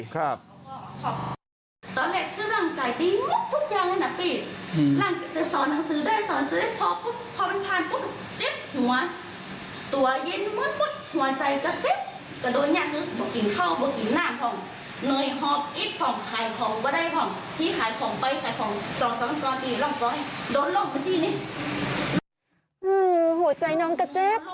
โหหัวใจน้องก็เจ็บ